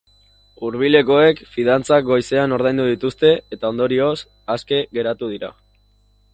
Hurbilekoek fidantzak goizean ordaindu dituzte, eta ondorioz, aske geratu dira.